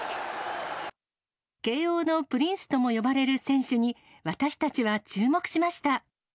慶応のプリンスとも呼ばれる選手に、私たちは注目しました。